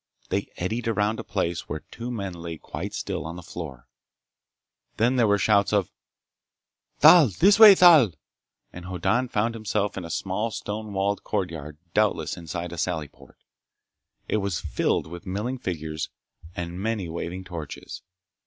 They eddied around a place where two men lay quite still on the floor. Then there were shouts of, "Thal! This way, Thal!" and Hoddan found himself in a small stone walled courtyard doubtless inside a sally port. It was filled with milling figures and many waving torches.